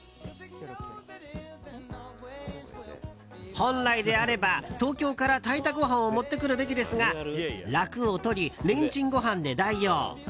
本来であれば東京から、炊いたご飯を持ってくるべきですが楽を取り、レンチンご飯で代用。